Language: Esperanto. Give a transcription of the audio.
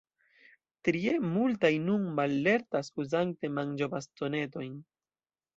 Trie, multaj nun mallertas, uzante manĝobastonetojn.